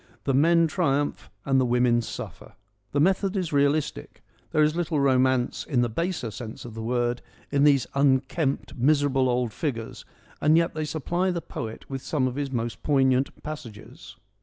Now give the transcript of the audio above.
The men triumph and the women suffer. The method is realistic : there is little romance, in the baser sense of the word, in these unkempt, miserable, old figures, and yet they supply the poet with some of his most poignant passages.